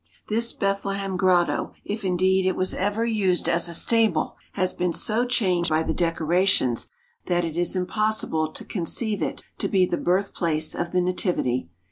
This Bethlehem grotto, if indeed it was ever used as a stable, has been so changed by the decorations that it is impossible to conceive it to be the place of the Nativity.